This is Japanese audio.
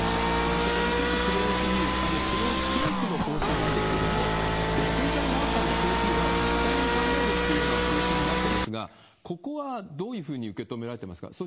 そこでちょっと黒岩知事、この政府の方針なんですけれども、エッセンシャルワーカーの定義は自治体に考えろというような方針になってますが、ここはどういうふうに受け止められていますか。